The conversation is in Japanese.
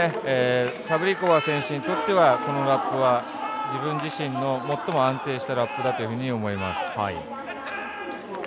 サブリコバー選手にとってこのラップは、自分自身の最も安定したラップだと思います。